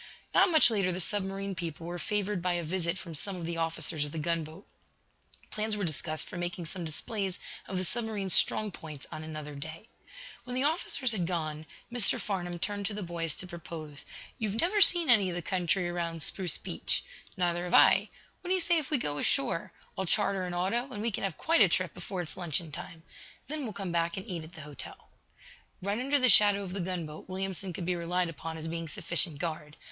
Not much later the submarine people were favored by a visit from some of the officers of the gunboat. Plans were discussed for making some displays of the submarine's strong points on another day. When the officers had gone, Mr. Farnum turned to the boys to propose: "You've never seen any of the country around Spruce Beach. Neither have I. What do you say if we go ashore? I'll charter an auto, and we can have quite a trip before it's luncheon time. Then we'll come back and eat at the hotel." Right under the shadow of the gunboat, Williamson could be relied upon as being sufficient guard.